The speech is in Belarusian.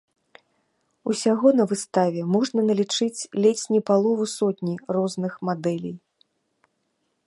Усяго на выставе можна налічыць ледзь не палову сотні розных мадэлей.